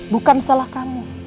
bukan salah kamu